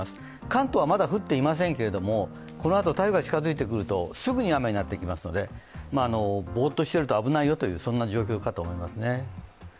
関東はまだ降っていませんけど、このあと台風が近づいてくるとすぐに雨になってきますのでボーッとしていると危ないよという状況かもしれませんね。